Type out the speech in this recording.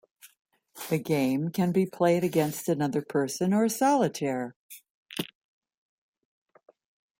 The game can be played against another person or solitaire.